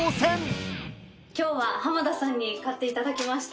今日は浜田さんに買っていただきました